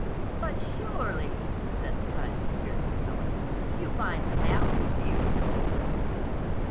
"But surely," said the kindly spirited Helen, "you find the mountains beautiful."